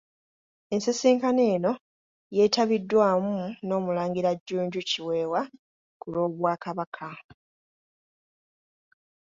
Ensisinkano eno yetabiddwamu n'omulangira Jjunju Kiwewa ku lw'obwakabaka.